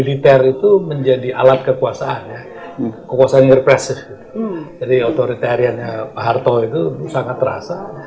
itu menjadi alat kekuasaan kekuasaan yang terpaksa jadi otoritariannya harto itu sangat terasa